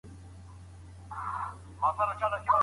ولي لېواله انسان د ذهین سړي په پرتله لاره اسانه کوي؟